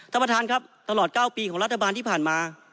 ท่านประธานครับตลอด๙ปีของรัฐบาลที่ผ่านมา